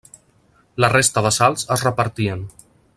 La resta de salts es repartien.